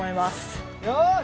よし！